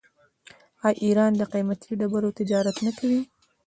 آیا ایران د قیمتي ډبرو تجارت نه کوي؟